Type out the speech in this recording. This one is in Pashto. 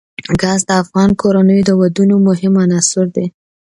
ګاز د افغان کورنیو د دودونو مهم عنصر دی.